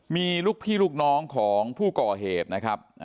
มีลูกพี่ลูกน้องของผู้ก่อเหตุนะครับ